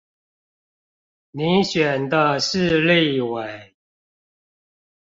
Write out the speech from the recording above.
你選的是立委